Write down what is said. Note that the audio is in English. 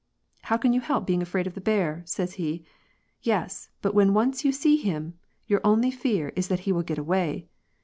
^ How can you help being afraid of the bear ?' says he, ' yes, but when you once see him, your only fear is that he will get away.'